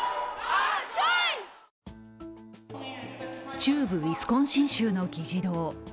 中部ウィスコンシン州の議事堂。